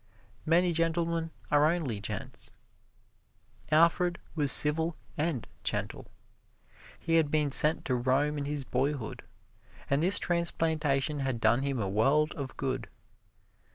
Many gentlemen are only gents. Alfred was civil and gentle. He had been sent to Rome in his boyhood, and this transplantation had done him a world of good.